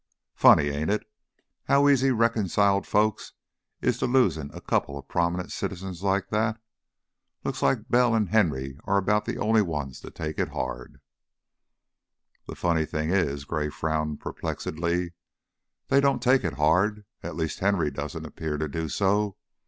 Funny, ain't it, how easy reconciled folks is to losin' a coupla prominent citizens like that? Looks like Bell an' Henry are about the only ones that take it hard." "The funny thing is" Gray frowned, perplexedly "they don't take it hard. At least, Henry doesn't appear to do so.